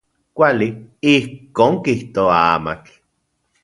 Kuali, ijkon kijtoa amatl.